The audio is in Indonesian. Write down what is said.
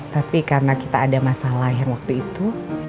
tapi karena kita ada masalah yang waktu itu